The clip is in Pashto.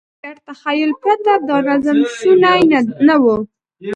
له ګډ تخیل پرته دا نظم شونی نه و.